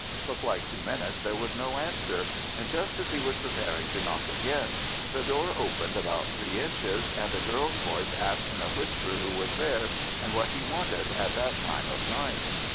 For quite two minutes there was no answer, and just as he was preparing to knock again, the door opened about three inches, and a girl's voice asked in a whisper who was there, and what he wanted at that time of night.